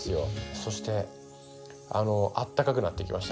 そしてあったかくなってきました